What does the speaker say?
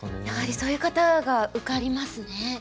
やはりそういう方が受かりますね。